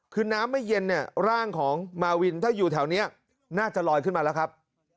คือน้ำไม่เย็นเนี่ยร่างของมาวินถ้าอยู่แถวนี้น่าจะลอยขึ้นมาแล้วครับ